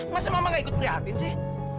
masih mama gak ikut prihatin sih